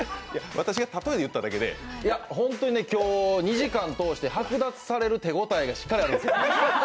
私が例えで言っただけでホントに今日、２時間かけて剥奪される手応えしっかりあるんですよ。